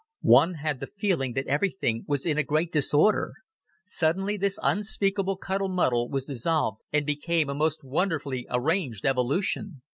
One had the feeling that everything was in a great disorder. Suddenly, this unspeakable cuddle muddle was dissolved and became a most wonderfully arranged evolution.